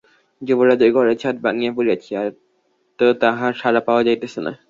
যুবরাজের ঘরের ছাদ ভাঙিয়া পড়িয়াছে, আর তো তাঁহার সাড়া পাওয়া যাইতেছে না।